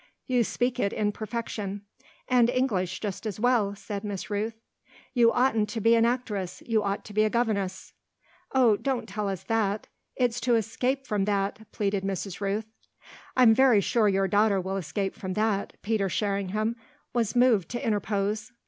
"You speak it in perfection." "And English just as well," said Miss Rooth. "You oughtn't to be an actress you ought to be a governess." "Oh don't tell us that: it's to escape from that!" pleaded Mrs. Rooth. "I'm very sure your daughter will escape from that," Peter Sherringham was moved to interpose.